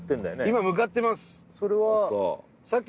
今向かってます